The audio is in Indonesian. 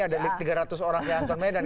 ada tiga ratus orang yang termedan